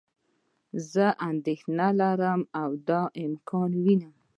زه اندیښمند یم او دا امکان وینم.